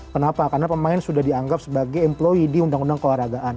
kenapa karena pemain sudah dianggap sebagai employe di undang undang keolahragaan